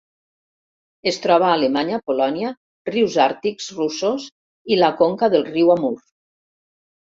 Es troba a Alemanya, Polònia, rius àrtics russos i la conca del riu Amur.